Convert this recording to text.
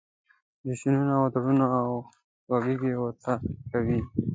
جشنونه، اتڼونه او غېږې ورته کوي.